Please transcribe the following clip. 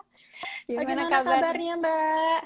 bagaimana kabarnya mbak